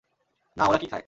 না, ওরা কী খায়?